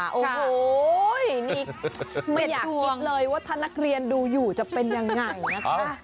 โอ้โหนี่ไม่อยากคิดเลยว่าถ้านักเรียนดูอยู่จะเป็นยังไงนะคะ